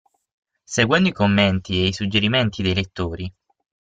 Seguendo i commenti e i suggerimenti dei lettori.